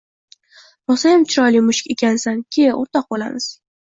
– Rosayam chiroyli mushuk ekansan, ke, o‘rtoq bo‘lamiz